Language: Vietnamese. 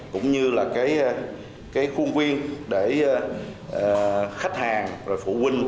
cũng như khuôn quyền để khách hàng phụ huynh